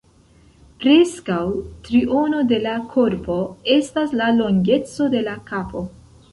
Preskaŭ triono de la korpo estas la longeco de la kapo.